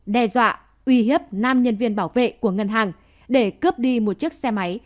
đe dọa uy hiếp nam nhân viên bảo vệ của ngân hàng để cướp đi một chiếc xe máy